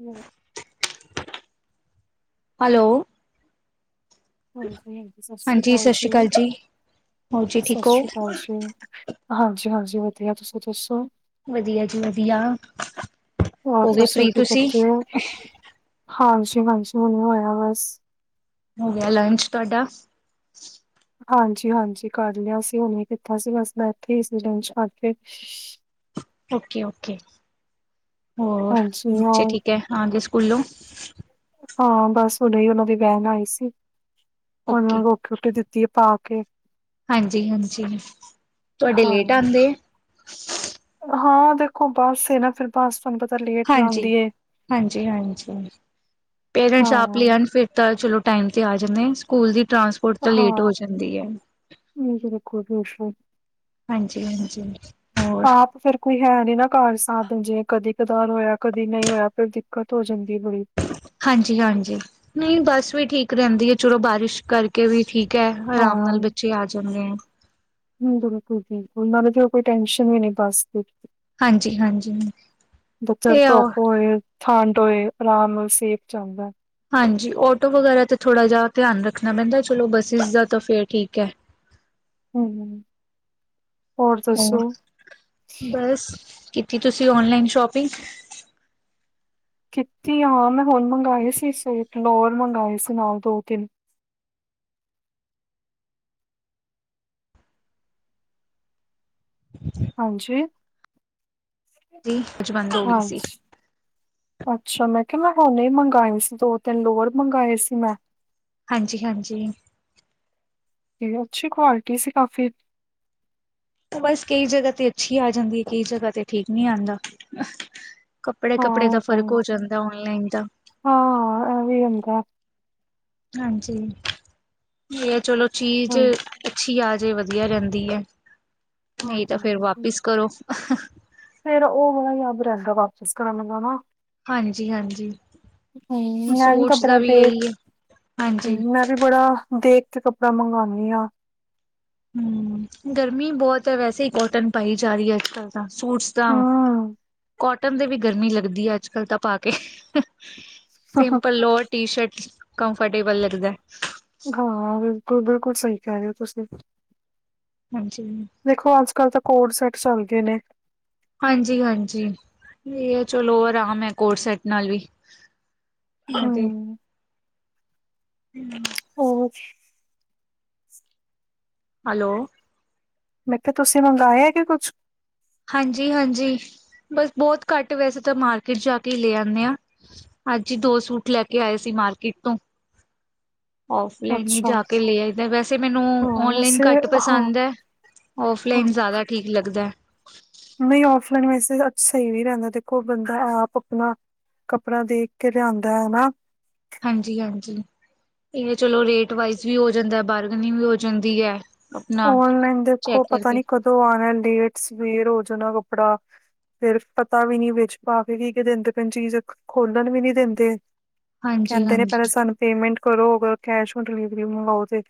ਹੁ ਹਲੋ। ਹਾਂਜੀ ਹਾਂਜੀ ਸਤਿ ਸ੍ਰੀ ਹਾਂਜੀ ਕਾਲ ਸਤਿ ਸ਼੍ਰੀ ਅਕਾਲ ਜੀ ਹੋਰ ਜੀ ਸਤਿ ਠੀਕ ਹੋ ਸ੍ਰੀ ਕਾਲ ਜੀ। ਹਾਂਜੀ ਹਾਂਜੀ ਵਧੀਆ ਤੁਸੀਂ ਦੱਸੋ। ਵਧੀਆ ਜੀ ਵਧੀਆ ਹੋਰ ਹੋ ਗਏ ਫ੍ਰਰੀ ਤੁਸੀਂ। ਹਾਂ ਸ਼ ਮਾਂਸ਼ ਹ ਹੋਇਆ ਬਸ [unintelligible] ਹੋ ਗਿਆ ਲੰਚ ਤੋਹਾਡਾ ਹਾਂਜੀ ਹਾਂਜੀ ਕਰ ਲਿਆ ਸੀ ਹੁਨ ਈ। ਕੀਤਾ ਸੀ ਬਸ ਬੈਠੇ ਹੀ ਸੀ ਲੱਨਚ ਕਰਕੇ। ਓਕੇ ਓਕੇ ਹੋਰ ਹਾਂਜੀ ਹਾਂ ਬੱਚੇ ਠੀਕ ਏ। ਹਾਂਜੀ ਸਕੂਲੋ ਹਾਂ ਬਸ ਹੁਨੇ ਈ ਉਹਨਾਂ ਦੀ ਵੈਨ ਆਈ ਸੀ ਹੁਨ ਓਕੇ ਰੋ ਰੋਟੀ ਦਿਤੀ ਏ ਪਾ ਕੇ। ਹਾਂਜੀ ਹਾਂਜੀ ਤੁਹਾਡੇ ਹਾਂ ਲੇਟ ਆਂਦੇ ਏ। ਹਾਂ ਦੇਖੋ ਬਸ ਏ ਨਾ ਫਿਰ ਪਾਸਾਨ ਪਤਾ ਲਿਆ [unintelligible] ਹਾਂਜੀ ਹਾਂਜੀ ਹਾਂਜੀ ਪੇਰੈਂਟਸ ਆਪ ਹਾਂ ਲੀਆਨ ਫਿਰ। ਤਾਂ ਚਲੋ ਟਾਈਮ ਤੇ ਆ ਜਾਂਦੇ ਆ ਸਕੂਲ ਦੀ ਟਰਾਂਸਪੋਰਟ ਤੇ ਲੇਟ ਹੋ ਜਾਂਦੀ ਹੈ। ਨ ਜ ਕੋ ਵਿ [unintelligible] ਹਾਂਜੀ ਹਾਂਜੀ ਹੋਰ ਆਪ ਫੇਰ ਕੋਈ ਹੈ ਨਹੀਂ ਨਾ ਘਰ ਸਾਥ ਜੇ ਕਦੇ ਕਦਾਰ ਹੋਇਆ ਕਦੀ ਨਹੀਂ ਹੋਇਆ ਫ਼ੇਰ ਦਿੱਕਤ ਹੋ ਜਾਂਦੀ ਪੂਰੀ ਹਾਂਜੀ ਹਾਂਜੀ ਨਹੀਂ ਬਸ ਵੀ ਠੀਕ ਰਹਿੰਦੀ ਏ ਚਲੋ ਬਾਰਿਸ਼ ਕਰਕੇ ਵੀ ਠੀਕ ਹੈ ਅਰਾਮ ਨਾਲ ਬੱਚੇ ਆ ਜਾਂਦੇ ਆ। ਉਹਨਾਂ ਨੇ ਜੋ ਕੋਈ ਟੈਂਸ਼ਨ ਵੀ ਨਹੀਂ ਬਸ ਫਿਰ [unintelligible] ਹਾਂਜੀ-ਹਾਂਜੀ ਬੱਚੇਆ ਨੂੰ ਇਹ ਆ ਧੋਪ ਹੋਏ ਠੰਡ ਹੋਏ ਅਰਾਮ ਨਾਲ ਸੇਕ ਚੱਲਦਾ। ਹਾਂਜੀ ਔਟੋ ਵਗੈਰਾ ਦਾ ਤੇ ਥੋੜਾ ਜਿਹਾ ਧਿਆਨ ਰੱਖਨਾ ਪੈਂਦਾ ਚਲੋ ਬਸਿ਼ਸ ਦਾ ਤਾਂ ਫੇਰ ਠੀਕ ਹੈ। ਹੁ ਹੋਰ ਦੱਸੋ ਕੀ ਤੁਸੀਂ ਔਨਲਾਈਨ ਸ਼ੋਪਿੰਗ ਕਿਤੀ ਏ ਹਾ ਮੈਂ ਹੁਣ ਮੰਗਾਏ ਸੀ ਸੂਟ ਲੋਅਰ ਮੰਗਾਏ ਸੀ ਨਾਲ ਦੋ ਤਿੰਨ। ਹ [inaudible] ਹਾਂਜੀ ਜੀ ਅੱਜ ਬੰਦ ਹੋ ਗਈ ਸੀ। ਹਾਂਜੀ। ਅੱਛਾ ਮੈਂ ਕਿਹਾ ਮੈਂ ਹੁਨੇ ਮੰਗਾਏ ਸੀ ਦੋ ਤਿੰਨ ਲੋਅਰ ਮੰਗਾਏ ਸੀ ਮੈਂ। ਹਾਂਜੀ ਹਾਂਜੀ। ਅੱਛੀ ਕੁਆਲਟੀ ਸੀ ਕਾਫੀ। ਬੱਸ ਕਈ ਜਗਾ ਤੇ ਅੱਛੀ ਆ ਜਾਂਦੀ ਏ ਕਈ ਜਗਾ ਤੇ ਠੀਕ ਨਈ ਆਂਦਾ। ਕੱਪੜੇ ਹਾਂ ਕੱਪੜੇ ਦਾ ਫਰਕ ਹੋ ਜਾਂਦਾ ਓਂਨਲਾਈਨ ਦਾ। ਹਾਂਅ ਏ ਵੀ ਹੁੰਦਾ। ਹਾਂਜੀ ਇਹ ਚਲੋ ਚੀਜ਼ ਹਾਂ ਅੱਛੀ ਆ ਜੇ ਵਧੀਆ ਰਹਿੰਦੀ ਹੈ ਹਾਂ ਨਹੀਂ ਤਾਂ ਫ਼ੇਰ ਵਾਪਿਸ ਕਰੋ। ਫ਼ੇਰ ਉਹ ਬੜਾ ਯਾਦ ਰਹਿੰਦਾ ਵਾਪਸ ਕਰਨ ਲੱਗਾ ਨਾ। ਹਾਂਜੀ ਹਾਂਜੀ। ਮੈ ਵੀ ਕੱਪੜਾ ਦੇਖ ਇਹੀ ਹੈ ਹਾਂਜੀ ਮੈਂ ਵੀ ਬੜਾ ਦੇਖ ਤੇ ਕੱਪੜਾ ਮੰਗਾਨੀ ਆ। ਹੂੰ ਗਰਮੀ ਬਹੁਤ ਹ ਵੈਸੇ ਹੀ ਕੋਟਨ ਪਾਈ ਜਾ ਰਹੀ ਹੈ ਅੱਜ ਕੱਲ। ਤਾਂ ਸੂਟਸ ਤਾਂ ਹਮ ਕਾਟਨ ਦੇ ਵੀ ਗਰਮੀ ਲੱਗਦੀ ਆ ਅੱਜ ਕੱਲ ਤਾਂ ਪਾ ਕੇ। ਸਿੰਪਲ ਲੋ ਟੀ ਸ਼ਰਟ ਕੰਫਰਟੇਬਲ ਲੱਗਦਾ ਏ। ਹਾਂ ਬਿਲਕੁਲ-ਬਿਲਕੁਲ ਸਹੀ ਕਹਿ ਰਹੇ ਹੋ ਤੁਸੀਂ। ਹਾਂਜੀ। ਦੇਖੋ ਅੱਜ ਕੱਲ ਤਾਂ ਕੋਟ ਸੈੱਟ ਚੱਲ ਗਏ ਨੇ। ਹਾਂਜੀ- ਹਾਂਜੀ ਚਲੋ ਹੋਰ ਅਰਾਮ ਹੈ ਕੋਰਸ ਸੈਟ ਨਾਲ ਵੀ। ਇਕ ਤੇ ਹੂੰ। [unintelligible] ਊ ਫ ਛ ਹੈਲੋ। ਮੈਂ ਕਿਹਾ ਤੁਸੀਂ ਮੰਗਵਾਏ ਹੈ ਕਿਆ ਕੁੱਛ? ਹਾਂਜੀ-ਹਾਂਜੀ ਬਸ ਬਹੁਤ ਘੱਟ ਵੈਸੇ ਤਾਂ ਮਾਰਕੀਟ ਜਾ ਕੇ ਹੀ ਲੈ ਆਨੇ ਆ। ਅੱਜ ਹੀ ਦੋ ਸੂਟ ਲੈ ਕੇ ਆਏ ਸੀ ਮਾਰਕੀਟ ਤੋਂ। [inaudible] ਔਫਲਾਈਨ ਹੀ ਅੱਛਾ ਜਾ ਕੇ ਲੈ ਆਈਦਾ, ਵੈਸੇ ਮੈਨੂੰ ਹਾਂ ਔਨਲਾਈਨ ਵੈਸੇ ਘੱਟ ਹਾਂ ਪਸੰਦ ਹੈ। ਹਾਂ ਔਫਲਾਈਨ ਜ਼ਿਆਦਾ ਠੀਕ ਲੱਗਦਾ। ਨਹੀਂ ਔਫਲਾਈਨ ਵੈਸੇ ਸਹੀ ਵੀ ਨੀ ਰਹਿੰਦਾ ਦੇਖੋ ਬੰਦਾ ਆਪ ਆਪਣਾ ਕੱਪੜਾ ਦੇਖ ਕੇ ਲਿਆਂਦਾ ਹਨਾ। ਹਾਂਜੀ-ਹਾਂਜੀ ਇਹ ਚਲੋ ਰੇਟ ਵਾਈਜ਼ ਵੀ ਹੋ ਜਾਂਦਾ, ਬਾਰਗਨਿੰਗ ਵੀ ਹੋ ਜਾਂਦੀ ਹੈ। ਆਪਣਾ ਚੈੱਕ ਕਰਕੇ। ਤੋਂ ਆਉਣਾ ਲੇਟ ਸਵੇਅਰ ਹੋ ਜਾਣਾ ਕੱਪੜਾ। ਫੇਰ ਪਤਾ ਵੀ ਨੀ ਵਿੱਚ ਪਾ ਕੇ ਕੀ- ਕੀ ਦਿੰਦੇ ਪਏ ਚੀਜ਼, ਖੋਲਣ ਵੀ ਨੀ ਦਿੰਦੇ। ਕਹਿੰਦੇ ਨੇ ਹਾਂਜੀ-ਹਾਂਜੀ, ਪਹਿਲਾਂ ਸਾਨੂੰ ਪੇਮੈਂਟ ਕਰੋ ਅਗਰ ਕੈਸ਼ ਔਨ ਡਿਲੀਵਰੀ ਮੰਗਵਾਓ ਤੇ,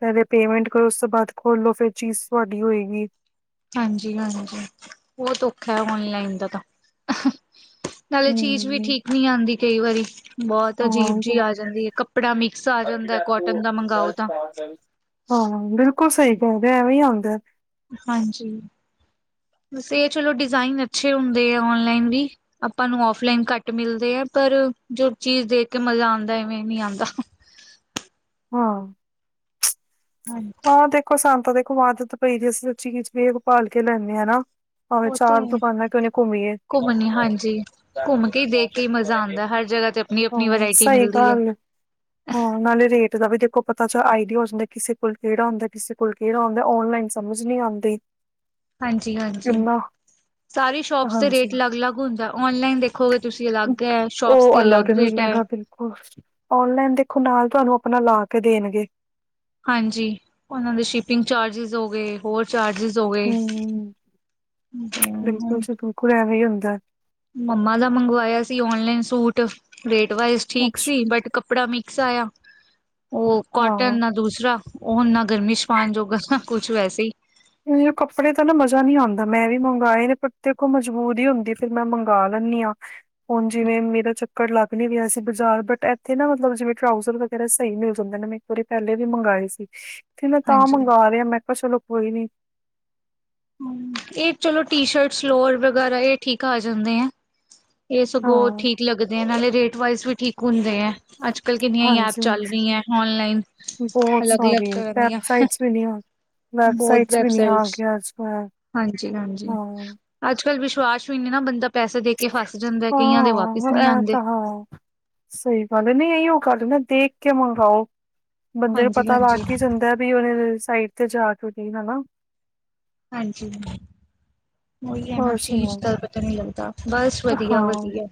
ਪਹਿਲੇ ਪੇਮੈਂਟ ਕਰੋ ਉਸ ਤੋਂ ਬਾਅਦ ਖੋਲੋ ਫੇਰ ਚੀਜ਼ ਤੁਹਾਡੀ ਹੋਏਗੀ। ਹਾਂਜੀ-ਹਾਂਜੀ ਬਹੁਤ ਔਖਾ ਹੈ ਔਨਲਾਈਨ ਦਾ ਤਾਂ। ਨਾਲੇ ਚੀਜ਼ ਵੀ ਹਮ ਠੀਕ ਨਹੀਂ ਆਉਂਦੀ ਕਈ ਵਾਰੀ। ਬਹੁਤ ਅਜੀਬ ਹਾਂ ਤੇ ਜਿ ਆ ਜਾਂਦੀ ਹੈ, ਕੱਪੜਾ ਮਿਕਸ ਆ ਜਾਂਦਾ ਕੋਟਨ ਦਾ ਮੰਗਓ ਤਾਂ। ਹਾਂ ਬਿਲਕੁਲ ਸਹੀ ਕਹਿਦੇ ਐਵੇਂ ਹੀ ਆਉਂਦਾ। ਹਾਂਜੀ, ਬਸ ਇਹ ਚਲੋ ਡਿਜ਼ਾਇਨ ਅੱਛੇ ਹੁੰਦੇ ਆ ਓਨਲਾਈਨ ਵੀ। ਆਪਾਂ ਨੂੰ ਓਫਲਾਈਨ ਘੱਟ ਮਿਲਦੇ ਆ, ਪਰ ਜੋ ਚੀਜ਼ ਦੇਖ ਕੇ ਮਜ਼ਾ ਆਉਂਦਾ ਐਵੇਂ ਨਹੀਂ ਆਉਂਦਾ। ਹਾਂ। ਹਾਂਜੀ। ਹਾਂ ਦੇਖੋ ਸੰਤ ਦੇਖੋ ਆਦਤ ਪਈ ਜ ਅਸੀਂ ਤ ਚੀਜ਼ ਵੇਖ ਪਾਲ ਕੇ ਲੈਂਦੇ ਹਾਂ ਨਾ। ਪਾਵੇ ਉਹ ਤੇ ਚਾਰ ਹੈ ਦੁਕਾਨ ਕਿਉਂ ਨਾ ਘੁੰਮੀ ਏ। ਘੁੰਮਣੀ ਹਾਂਜੀ ਘੁੰਮ ਕੇ ਦੇਖ ਕੇ ਮਜ਼ਾ ਆਂਦਾ ਹਰ ਜਗ੍ਹਾ ਤੇ ਆਪਣੀ-ਆਪਣੀ ਹਾਂ ਵਰਾਇਟੀ ਸਹੀ ਮਿਲਦੀ ਐ। ਗੱਲ ਏ ਨਾਲੇ ਰੇਟ ਦਾ ਵੀ ਦੇਖੋ ਪਤਾ ਚ ਆਈ ਡਿਆ ਹੋ ਜਾਂਦਾ ਕਿਸੇ ਕੋਲ ਕਿਹੜਾ ਹੁੰਦਾ, ਕਿਸੇ ਕੋਲ ਕਿਹੜਾ ਹੁੰਦਾ, ਔਨਲਾਈਨ ਸਮਝ ਨਹੀਂ ਆਉਂਦੀ। ਹਾਂਜੀ-ਹਾਂਜੀ ਕਿੰਨਾ ਸਾਰੀ ਸ਼ੋਪਸ ਦੇ ਹਾਂਜੀ, ਰੇਟ ਅਲੱਗ- ਅਲੱਗ ਹੁੰਦਾ। ਓਨਲਾਈਨ ਦੇਖ ਦੇਖੋਗੇ ਤੁਸੀਂ ਅਲੱਗ ਹੈ, ਸ਼ੋਪਸ ਉਹ ਦੇ ਅਲੱਗ ਰੇਟ ਹੈ। ਮਿਲੇਗਾ ਬਿਲਕੁਲ। ਔਨਲਾਈਨ ਦੇਖੋ ਨਾਲ ਤੁਹਾਨੂੰ ਆਪਣਾ ਲਾ ਕੇ ਦੇਣਗੇ। ਹਾਂਜੀ ਉਹਨਾਂ ਦੇ ਸ਼ਿਪਿੰਗ ਚਾਰਜਿਸ ਹੋ ਗਏ। ਹੋਰ ਚਾਰਜਿਸ ਹੋ ਗਏ। ਹੂੰ, [unintelligible] ਬਿਲਕੁਲ ਐਵੇਂ ਹੀ ਹੁੰਦਾ। ਮੰਮਾ ਦਾ ਮੰਗਵਾਇਆ ਸੀ ਓਨਲਾਈਨ ਸੂਟ ਰੇਟ ਵਜ਼ ਠੀਕ ਅੱਛ ਸੀ ਬਟ ਕਪ ਕੱਪੜਾ ਮਿਕਸ ਆਇਆ ਉਹ ਕੋਟਨ ਹਾਂ, ਨਾ ਦੂਸਰਾ ਉਹ ਨਾ ਗਰਮੀ ਚ ਪਾਾਨ ਜੋਗਾ ਨਾ ਕੁਛ ਵੈਸੇ ਹੀ ਕੱਪੜੇ ਤਾਂ ਨਾ ਮਜ਼ਾ ਨ ਨਹੀਂ ਆਉਂਦਾ ਮੈਂ ਵੀ ਮੰਗਵਾਏ ਨੇ ਪਰ ਦੇਖੋ ਮਜਬੂੂਰ ਹੀ ਹੁੰਦੀ। ਫਿਰ ਮੈਂ ਮੰਗਵਾ ਲੈਂਦੀ ਹਾਂ ਹੁਣ ਜਿਵੇਂ ਮੇਰਾ ਚ ਚਕਰ ਲੱਗ ਨੀ ਰਿਆ ਸੀ ਬਜ਼ਾਰ, ਬਟ ਇੱਥੇ ਨਾ ਮਤਲਬ ਜਿਵੇਂ ਟਰਾਊਜ਼ਰ ਵਗੈਰਾ ਸਹੀ ਮਿਲ ਜਾਂਦੇ ਨੇਂ ਬੜੀ ਪਹਿਲੇ ਵੀ ਮੰਗਵਾਏ ਸੀ, ਮੈਂ ਤਾਂ ਹਾਂਜੀ। ਮੰਗਵਾ ਰਿਹਾ ਮੈਂ ਕਿਹਾ ਚਲੋ ਕੋਈ ਨੀ ਇਹ ਚਲੋ ਟੀ ਸ਼ਰਟਸ ਲੋਰ ਵਗੈਰਾ ਇਹ ਠੀਕ ਆ ਜਾਂਦੇ ਆ। ਇਹ ਸਗੋਂ ਹਾਂ, ਠੀਕ ਲੱਗਦੇ ਆ, ਨਾਲੇ ਰੇਟ ਵਾਈਜ਼ ਵੀ ਠੀਕ ਹੁੰਦੇ ਆ। ਅੱਜ ਕੱਲ੍ਹ ਕਿੰਨੀਆਂ ਹੀ ਐਪ ਹਾਂਜੀ ਚੱਲ ਰਹੀਆਂ ਔਨਲਾਈਨ। ਬਹੁਤ ਅਲੱਗ ਅਲੱਗ ਸਾਰੀਆ ਤਰ੍ਹਾਂ ਦੀਆਂ ਵੈਬਸਾਈਟਸ ਵੀ ਇਨੀਆਂ, ਬਹੁਤ ਵੈਬਸਾਈਟਸ ਵੀ ਇਨੀਆਂ ਵੈਬਸਾਈਟਸ ਅੱਜ ਕੱਲ। ਹਾਂਜੀ, ਹਾਂਜੀ ਹਾਂ। ਅੱਜ ਕੱਲ੍ਹ ਵਿਸ਼ਵਾਸ ਵੀ ਨਹੀਂ ਨਾ ਬੰਦਾ ਪੈਸੇ ਦੇ ਕੇ ਫਸ ਜਾਂਦਾ ਕਈਆਂ ਦੇ ਵਾਪ ਐਂ ਤਾਂ ਹਾਂ ਸਹੀ ਗੱਲ ਹੈ, ਨਹੀਂ ਇਹੀ ਉਹ ਗੱਲ ਨਾ ਦੇਖ ਕੇ ਮੰਗਵਾਓ। ਬੰਦੇ ਨੂੰ ਹਾਂਜੀ ਪਤਾ ਲੱਗ ਹਾਂਜੀ ਕੇ ਜਾਂਦਾ ਵੀ ਉਹਨੇ ਸਾਈਡ ਤੇ ਜਾ ਕੇ ਨਹੀਂ ਹਨਾ। ਹਾਂਜੀ ਹਾਂ। ਉਹੀ ਹੈ ਨਾ ਹੋਰ ਚੀਜ਼ ਸੁਣਾਓ। ਦਾ ਪਤਾ ਨਹੀਂ ਲੱਗਦਾ। ਬਸ ਵਧੀਆ ਹਾਂ ਵਧੀਆ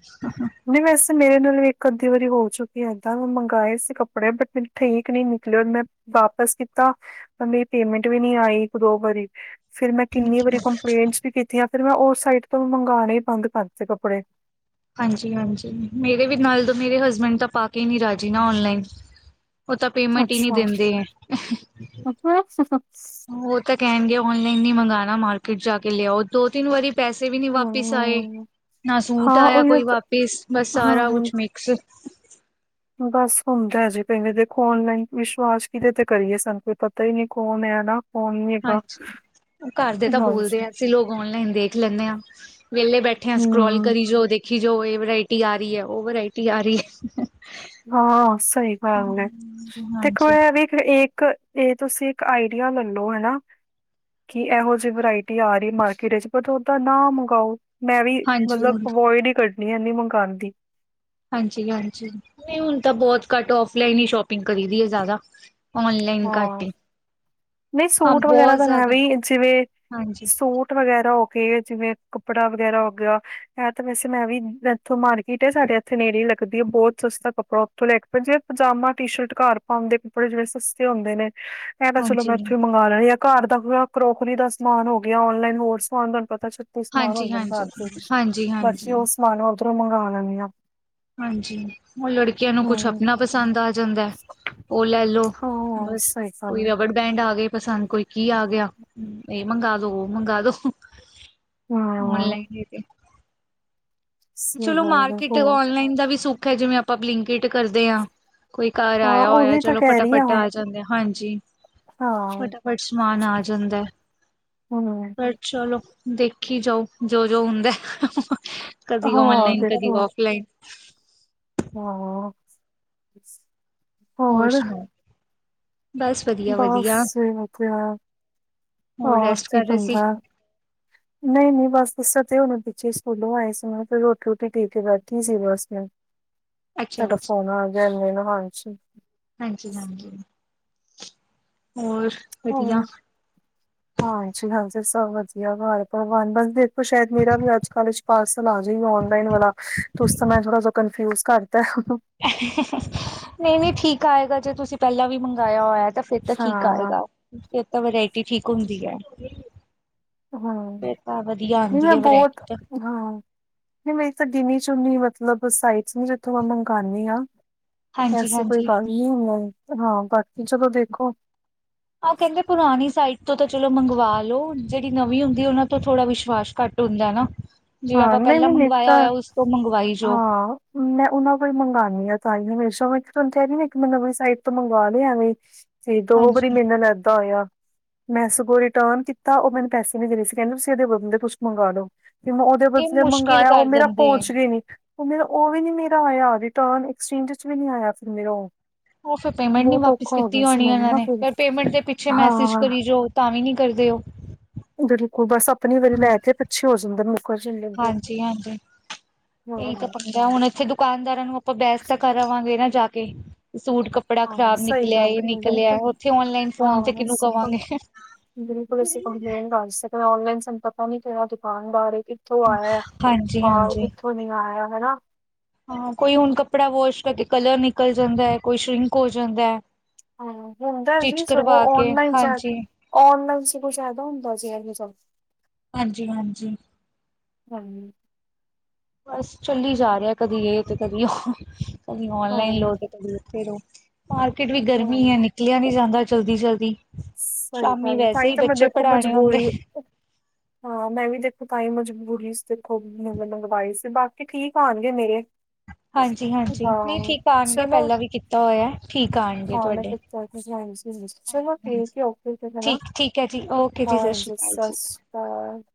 ਨਹੀਂ ਵੈਸੇ ਮੇਰੇ ਨਾਲ ਇੱਕ ਅੱਧੀ ਵਾਰੀ ਹੋ ਚੁੱਕੀ ਏਦਾਂ ਮੈਂ ਮੰਗਵਾਏ ਸੀ ਕੱਪੜੇ ਬਟ ਮੇਰੇ ਠੀਕ ਨਹੀਂ ਨਿਕਲਆ ਮੈਂ ਵਾਪਿਸ ਕੀਤਾ ਪਰ ਮੇਰੀ ਪੇਮੈਂਟ ਵੀ ਨੀ ਆਈ ਇੱਕ ਦੋ ਵਾਰੀ ਫਿਰ ਮੈਂ ਕਿੰਨੀ ਵਾਰੀ ਕੰਪਲੇਂਟਸ ਵੀ ਕੀਤੀਆਂ ਫਿਰ ਮੈਂ ਉਸ ਸਾਈਟ ਤੋਂ ਮੰਗਵਾਉਣੇ ਹੀ ਬੰਦ ਕਰ ਦਿੱਤੇ ਕੱਪੜੇ ਹਾਂਜੀ ਹਾਂਜੀ ਮੇਰੇ ਵੀ ਨਾਲ ਮੇਰੇ ਹਸਬੈਂਡ ਤਾਂ ਪਾ ਕੇ ਨੀ ਰਾਜੀ ਨਾ ਔਨਲਾਈਨ ਉਹ ਤਾਂ ਪੇਮੈਂਟ ਹੀ ਨਹੀਂ ਦਿੰਦੇ ਹੈ ਐਪਰਾਕਸ [unintelligible] ਉਹ ਤਾਂ ਕਹਿਣਗੇ ਔਨਲਾਈਨ ਨਹੀਂ ਮੰਗਾਣਾ ਮਾਰਕੀਟ ਜਾ ਕੇ ਲਿਆ ਆਓ ਦੋ ਤਿੰਨ ਵਾਰੀ ਪੈਸੇ ਵੀ ਨੀ ਵਾਪਿਸ ਆਏ ਹੂੰ, ਨਾ ਸੂਟ ਹਾਂ ਆਇਆ ਉਹੀਓ ਕੋਈ ਤਾਂ ਵਾਪਿਸ ਬਸ ਸਾਰਾ ਹਾਂ ਕੁਛ ਸਿਰਫ਼ [unintelligible] ਬਸ ਹੁੰਦਾ ਜੀ ਕਈ ਵਾਰੀ ਦੇਖੋ ਆਨਲਾਈਨ ਵਿਸ਼ਵਾਸ ਕਿਦੇ ਤੇ ਕਰੀਏ ਸਾਨੂੰ ਕੋਈ ਪਤਾ ਹੀ ਨੀ ਕੌਣ ਹੈ ਨਾ ਕੌਣ ਨਹੀਂ ਹੈਗਾ, ਹਾਂਜੀ ਉਹ ਘਰ ਦੇ ਤਾਂ ਬੋਲਦੇ ਹਾਂਜੀ, ਆ ਅਸੀ ਲੋਗ ਔਨਲਾਈਨ ਦੇਖ ਲੈਂਦੇ ਹਾਂ ਵਿਹਲੇ ਬੈਠੇ ਹਾਂ ਸਕਰੋਲ ਹੂੰ, ਕਰੀ ਜਾਓ ਦੇਖੀ ਜਾਓ ਇਹ ਵਰਾਇਟੀ ਆ ਰਹੀ ਹੈ ਉਹ ਵਰਾਇਟੀ ਆ ਰਹੀ ਹੈ ਹਾਂ ਸਹੀ ਗੱਲ ਹੈ ਦੇਖੋ ਹਾਂਜੀ ਇਹ ਵੀ ਏਕ ਇੱਕ ਇਹ ਤੁਸੀਂ ਇੱਕ ਆਈਡੀਆ ਲੈਲੋ ਹਨਾ ਕਿ ਇਹੋ ਜਿਹੀ ਵਰਾਇਟੀ ਆ ਰਹੀ ਮਾਰਕੀਟ ਵਿਚ ਪਰ ਓਦਾ ਨਾ ਮੰਗਵਾਓ ਮੈਂ ਵੀ ਹਾਂਜੀ ਮਤਲਬ ਹਾਂਜੀ ਅਵੋਇਡ ਹੀ ਕਰਦੀ ਆ ਨੀ ਮੰਗਾਉਦੀ ਹਾਂਜੀ ਹਾਂਜੀ ਨਹੀਂ ਹੁਣ ਤਾਂ ਬਹੁਤ ਘੱਟ ਆੱਫਲਾਈਨ ਹੀ ਸ਼ੋਪਿੰਗ ਕਰੀ ਦੀ ਹੈ ਜ਼ਿਆਦਾ ਔਨਲਾਈਨ ਘਟ ਹਾਂ, ਈ ਨਹੀਂ ਸੂਟ ਵਗੈਰਾ ਤਾ ਐਵੇ ਜਿਵੇਂ ਹਾਂਜੀ ਸੂਟ ਵਗੈਰਾ ਕੇ ਜਿਵੇਂ ਕੱਪੜਾ ਵਗੈਰਾ ਹੋ ਗਿਆ ਆ ਤਾਂ ਵੈਸੇ ਮੈਂ ਵੀ ਇੱਥੋਂ ਮਾਰਕੀਟ ਏ ਸਾਡੇ ਇੱਥੇ ਨੇੜੇ ਹੀ ਲੱਗਦੀ ਹੈ ਬਹੁਤ ਸਸਤਾ ਕੱਪੜਾ ਲੈ ਕੇ ਪਏ ਜੇ ਪਜਾਮਾ ਟੀ ਸ਼ਰਟ ਘਰ ਪਾਉਂਣ ਦੇ ਕੱਪੜੇ ਜਿਹੜੇ ਸਸਤੇ ਹੁੰਦੇ ਨੇ ਇਹ ਤਾਂ ਚਲੋ ਮੈਂ ਹਾਂਜੀ ਇੱਥੋਂ ਮੰਗ਼ ਘਰ ਦਾ ਕਰੋਕਰੀ ਦਾ ਸਮਾਨ ਹੋ ਗਿਆ ਔਨਲਾਈਨ ਹੋਰ ਸਮਾਨ ਤੁਹਾਨੂੰ ਪਤਾ ਸਮਾਨ ਹਾਂਜੀ, ਹਾਂਜੀ, ਹੁੰਦਾ ਘਰ ਚ ਹਾਂਜੀ, ਹਾਂਜੀ। ਬਸਉਹ ਸਮਾਨ ਉਧਰੋਂ ਮੰਗਵਾ ਲੈਂਨੀ ਹਾਂ ਹਾਂਜੀ ਉਹ ਲੜਕੀਆਂ ਨੂੰ ਕੁਛ ਹਮ ਆਪਣਾ ਪਸੰਦ ਆ ਜਾਂਦਾ ਉਹ ਲੈ ਲੋ ਹਾਂ ਬਸ ਸਹੀ ਗੱਲ ਕੋਈ ਰਬੜ ਬੈਂਡ ਆ ਗਏ ਪਸੰਦ ਕੋਈ ਕੀ ਆ ਗਿਆ ਇਹ ਮੰਗਵਾ ਦੋ ਉਹ ਮੰਗਾ ਦੋ ਹੈ ਹਾਂ ਔਨਲਾਈਨ ਤੇ ਸਹੀ ਚਲੋ ਗੱਲ ਹੈ ਮਾਰਕੀਟ ਹੋਰ ਔਨਲਾਈਨ ਦਾ ਵੀ ਸੁੱਖ ਹੈ ਜਿਵੇਂ ਆਪਾਂ ਬਲਿੰਕਿਟ ਕਰਦੇ ਹਾਂ ਕੋਈ ਘਰ ਹਾਂ ਆਇਆ ਹੋਇਆ ਉਹੀ ਤਾਂ ਚਲੋ ਕਹਿ ਰਹੀ ਫਟਾਫਟ ਹਾਂ ਆ ਜਾਂਦੇ ਆ ਹਾਂਜੀ। ਹਾਂ ਫਟਾਫਟ ਸਮਾਨ ਆ ਜਾਂਦਾ ਐ ਹਮ ਪਰ ਚਲੋ ਦੇਖੀ ਜਾਓ ਜੋ ਜੋ ਹੁੰਦਾ। ਕਦੀ ਹਾਂ ਔਨਲਾਈਨ ਕਦੀ ਔਫਲਾਈਨ ਹੋ ਹੋਰ ਸੁਣਾਓ ਬਸ। ਵਧੀਆ-ਵਧੀਆ ਬਸ ਠੀਕ ਆ ਹੋਰ ਰੈਸਟ ਕੀ ਕਰ ਰਹੇ ਸੀ। ਬੰਦਾ। ਨਹੀਂ, ਨਹੀਂ ਬਸ ਇਸ ਤੇ ਹੁਣ ਪਿੱਛੇ ਸਕੂਲੋਂ ਆਏ ਸੀ ਮੈਂ ਰੋਟੀ ਰੂਟੀ ਦੇ ਕੇ ਬੈਠੀ ਸੀ ਬਸ ਮੈਂ। ਤੁਹਾਡਾ ਫੋਨ ਆ ਗਿਆ ਨਾ ਮਾਈਂਡ ਚ ਹਾਂਜੀ ਹਾਂਜੀ ਹੋਰ ਹਾਂ ਵਧੀਆ। ਹਾਂਜੀ ਹਾਂਜੀ ਸਭ ਵਧੀਆ ਘਰ ਪਰਿਵਾਰ ਬਸ ਦੇਖੋ ਸ਼ਾਇਦ ਮੇਰਾ ਵੀ ਅੱਜ ਕਲ ਚ ਪਾਰਸਲ ਆ ਜਾਏਗਾ ਔਨਲਾਈਨ ਵਾਲਾ ਤੁਸੀਂ ਤੇ ਮੈਂ ਥੋੜਾ ਜਿਹਾ ਕਨਫਿਊਜ ਕਰਤਾ। ਨਹੀਂ ਨਹੀਂ ਠੀਕ ਆਏਗਾ ਜੇ ਤੁਸੀਂ ਪਹਿਲਾਂ ਵੀ ਮੰਗਵਾਇਆ ਹੋਇਆ ਤਾਂ। ਫੇਰ ਤਾਂ ਠੀਕ ਹਾਂ ਆਏਗਾ ਇਕ ਤਾਂ ਵਰਾਇਟੀ ਠੀਕ ਹੁੰਦੀ ਹੈ। ਹਾਂ, ਫਿਰ ਤਾਂ ਵਧੀਆ ਮੈਂ ਆਉਂਦੀ ਹੈ ਵਰਾਇਟੀ ਬਹੁਤ ਤਾਂ ਹਾਂ ਨਹੀਂ ਮੇਰੀ ਤਾਂ ਗਿਨੀ ਚੁਨੀ ਮਤਲਬ ਸਾਈਟਸ ਨੇ ਜਿੱਥੋਂ ਮੈਂ ਮੰਗਵਾਉਦੀ ਹਾਂ। ਐਸੀ ਕੋਈ ਹਾਂਜੀ-ਹਾਂਜੀ। ਗੱਲ ਨਹੀਂ ਹੁੰ ਹਾਂ ਬਾਕੀ ਚਲੋ ਦੇਖੋ। ਉਹ ਕਹਿੰਦੇ ਪੁਰਾਣੀ ਸਾਈਟ ਤੋਂ ਤਾਂ ਚਲੋ ਮੰਗਵਾ ਲਓ ਜਿਹੜੀ ਨਵੀਂ ਹੁੰਦੀ ਉਹਨਾਂ ਤੋਂ ਥੋੜਾ ਵਿਸ਼ਵਾਸ ਘੱਟ ਹੁੰਦਾ ਨਾ। ਜਿਵੇਂ ਹਾਂ ਆਪਾਂ ਨਹੀਂ ਪਹਿਲਾਂ ਨਹੀਂ ਨਹੀਂ ਮੰਗਵਾਇਆ ਤਾਂ ਹੋਇਆ ਉਸ ਤੋਂ ਮੰਗਵਾਈ ਜੋ ਹਾਂ ਮੈਂ ਉਹਨਾਂ ਕੋਲ ਮੰਗਵਉਂਣੀ ਆ ਤਾਹੀ ਹਮੇਸ਼ਾ ਮੈਂ ਤੁਹਾਨੂੰ ਕਹਿ ਰਹੀ ਆ ਕਿ ਮੈਂ ਨਵੀਂ ਸਾਈਟ ਤੋਂ ਮੰਗਵਾ ਲਿਆ ਐਵੇਂ ਈ। ਤੇ ਦੋ ਵਾਰੀ ਹਾਂਜੀ ਮੇਰੇ ਨਾਲ ਏਦਾ ਹੋਇਆ। ਮੈਂ ਸਗੋਂ ਰਿਟਰਨ ਕੀਤਾ ਉਹ ਮੈਨੂੰ ਪੈਸੇ ਨੀ ਦੇ ਰਹੇ ਸੀ ਕਹਿੰਦੇ ਤੁਸੀਂ ਇਦੇ ਬਦਲੇ ਕੁਛ ਮੰਗਵਾ ਲਉ। ਤੇ ਮੈਂ ਉਹਦੇ ਇਹ ਬਦਲੇ ਮੁਸ਼ਕਿਲ ਮੰਗਾਇਆ ਉਹ ਕਰ ਮੇਰਾ ਦਿੰਦੇ ਹੈ। ਪਹੁੰਚ ਗ ਨੀ, ਉਹ ਮੇ ਉਹ ਵੀ ਨੀ ਮੇਰਾ ਆਇਆ ਰਿਟਰਨ ਐਕਸਚੇਂਜ ਚ ਵੀ ਨਹੀਂ ਆਇਆ ਫਿਰ ਮੇਰਾ ਉਹ, ਫਿਰ ਪੇਮੈਂਟ ਨੀ ਬਹੁਤ ਵਾਪਿਸ ਔਖਾ ਹੋ ਕੀਤੀ ਗਿਆ ਸੀ ਹੋਣੀ ਮੈਨੂੰ ਉਹਨਾਂ ਨਾ ਨੇ ਫਿਰ ਪੇਮੈਂਟ ਦੇ ਪਿੱਛੇ ਮੈਸੇਜ ਹਾਂ ਕਰੀ ਜੋ, ਤਾਂ ਵੀ ਨੀ ਕਰਦੇ ਉਹ। ਬਿਲਕੁਲ ਬਸ ਆਪ ਆਪਣੀ ਵਾਰੀ ਲੈ ਕੇ ਪੱਛੇ ਹੋ ਜਾਂਦਾ ਮੁਕਰ ਨਹੀਂ ਲੈਂਦੇ, ਹਾਂਜੀ ਕ ਹੁਣ ਇੱਥੇ ਦੁਕਾਨਦਾਰਾਂ ਨੂੰ ਆਪਾਂ ਬਹਿਸ ਤਾਂ ਕਰ ਆਵਾਂਗੇ ਨਾ ਜਾ ਕੇ ਸੂਟ ਕੱ, ਕੱਪੜਾ ਹਾਂ ਖ਼ਰਾਬ ਸਹੀ ਨਿਕਲਿਆ ਗੱਲ ਇਹ ਹੈ ਨਿਕਲਿਆ ਬਿਲਕੁਲ ਉੱਥੇ ਓਨਲਾਈਨ ਫੋਨ ਤੇ ਹਾਂ ਕਿਹਨੂੰ ਅਸੀਂ ਕਵਾਂਗੇ। ਬਿਲਕੁਲ ਅਸੀਂ ਕੰਪਲੇਂਟ ਕਰ ਸਕਦੇ ਔਨਨਲਾਈਨ ਸਾਨੂੰ ਪਤਾ ਨੀ ਕਿਹੜਾ ਦੁਕਾਨਦਾਰ ਏ। ਕਿਥੋਂ ਆਇਆ ਹਾਂਜੀ ਬਾਹ ਹਾਂਜੀ ਕਿੱਥੋਂ ਨੀ ਆਇਆ ਹੈ ਨਾ। ਹਾਂ ਕੋਈ ਹੁਣ ਕੱਪੜਾ ਵੋਸ਼ ਕਰਕੇ ਕਲਰ ਨਿਕਲ ਜਾਂਦਾ ਹੈ ਕੋਈ ਸ਼ਰਿੰਕ ਹੋ ਜਾਂਦਾ ਹੈ। ਹਾਂ ਹੁੰਦਾ ਸਟਿਚ ਜੀ ਸਗੋਂ ਕਰਵਾ ਕੇ ਔਨਲਾਈਨ ਚ ਹਾਂਜੀ ਔਨਲਾਈਨ ਵਿਚ ਕੁਛ ਫਾਇਦਾ ਹੁੰਦਾ ਸੀ ਇਹ ਚਲ, ਹਾਂਜੀ- ਹਾਂਜੀ। ਹਾਂਜੀ। ਬਸ ਚੱਲੀ ਜਾ ਰਿਹਾ ਕਦੀ ਇਹ ਤੇ ਕਦੀ ਉਹ ਕਦੀ ਔਨਲਾਈਨ ਲਓ ਤੇ ਹਾਂ ਕਦੀ ਉੱਥੇ ਲਓ। ਮਾਰਕੀਟ ਵੀ ਗਰਮੀ ਹੈ ਹਾਂ ਨਿਕਲਿਆ ਨੀ ਜਾਂਦਾ ਜਲਦੀ ਜਲਦੀ। ਸਹੀ ਸ਼ਾਮੀ ਭਾਜੀ ਵੈਸੇ ਤਹੀ ਹੀ ਤਾਂ ਮੈਂ ਬੱਚੇ ਦੇਖੋ ਪੜ੍ਹਾਣੇ ਹੁੰਦੇ ਮਜਬੂਰੀ ਹਾਂ ਮੈਂ ਵੀ ਦੇਖੋ ਤਾਂ ਹੀ ਮਜਬੂਰੀ ਸੀ ਦੇਖੋ ਮੰਗਵਾਈ ਸੀ ਬਾਕੀ ਠੀਕ ਆਉਣਗੇ ਮੇਰੇ। ਹਾਂਜੀ, ਹਾਂਜੀ ਨਹੀਂ ਹਾਂ ਠੀਕ ਆਉਣਗੇ ਚਲੋ ਪਹਿਲਾਂ ਵੀ ਕੀਤਾ ਹੋਇਆ ਠੀਕ ਆਉਣਗੇ ਤੁਹਾਡੇ। [inaudible] ਚਲੋ, ਹਾਂਜੀ ਹਾਂਜੀ ਠੀਕ ਏ ਓਕੇ ਫਿਰ ਹੈ ਨਾ ਠੀਕ ਠੀਕ ਹੈ ਜੀ ਓਕੇ ਜੀ ਸ਼੍ਰੀ ਹਾਂਜੀ ਅਕਾਲ ਸਤਿ ਜੀ ਸ਼੍ਰੀ ਅਕਾਲ।